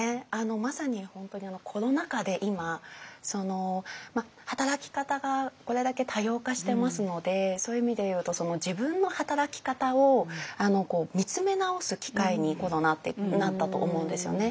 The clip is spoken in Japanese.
まさに本当にコロナ禍で今働き方がこれだけ多様化してますのでそういう意味でいうと自分の働き方を見つめ直す機会にコロナってなったと思うんですよね。